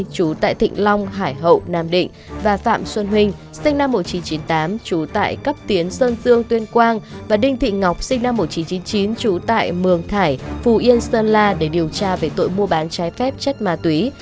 một nghìn chín trăm chín mươi hai chú tại thịnh long hải hậu nam định và phạm xuân huynh sinh năm một nghìn chín trăm chín mươi tám chú tại cấp tiến sơn dương tuyên quang và đinh thị ngọc sinh năm một nghìn chín trăm chín mươi chín chú tại mường thải phù yên sơn la để điều tra về tội mua bán trái phép chất ma túy